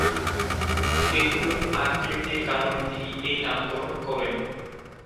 এগুলোর আকৃতির কারণে তিনি এই নামকরণ করেন।